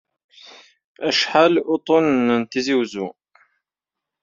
Tẓer tafekka-s am lbumba izemren ad teṭṭerḍeq fell-as.